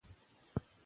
لیکوال زموږ ملګری دی.